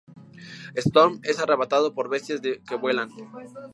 Storm es arrebatado por bestias que vuelan.